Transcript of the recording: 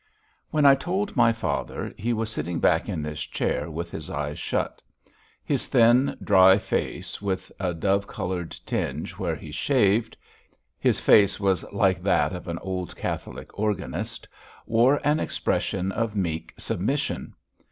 When I told my father, he was sitting back in his chair with his eyes shut. His thin, dry face, with a dove coloured tinge where he shaved (his face was like that of an old Catholic organist), wore an expression of meek submission.